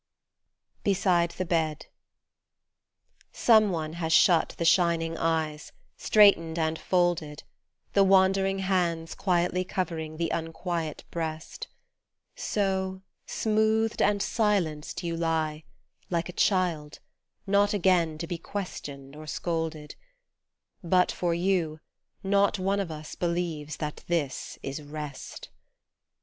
BESIDE THE BED SOMEONE has shut the shining eyes, straightened and folded The wandering hands quietly covering the unquiet breast : So, smoothed and silenced you lie, like a child, not again to be questioned or scolded ; But, for you, not one of us believes that this is rest.